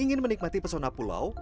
ingin menikmati pesona pulau